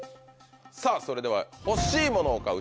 さぁそれでは欲しいものを買う・